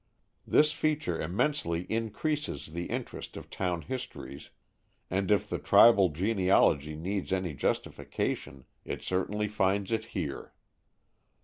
This feature immensely increases the interest of town histories, and if the tribal genealogy needs any justification, it certainly finds it here.